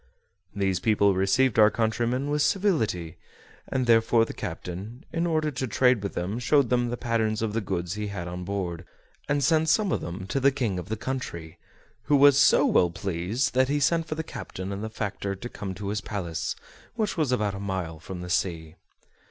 These people received our countrymen with civility, and therefore the captain, in order to trade with them, showed them the patterns of the goods he had on board, and sent some of them to the King of the country, who was so well pleased that he sent for the captain and the factor to come to his palace, which was about a mile from the sea.